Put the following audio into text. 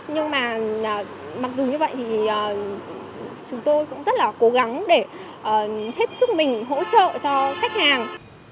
nhưng mà mặc dù như vậy thì chúng tôi cũng rất là cố gắng để hết sức mình hỗ trợ cho khách hàng